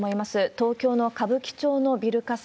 東京の歌舞伎町のビル火災。